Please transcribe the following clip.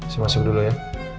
saya masuk dulu ya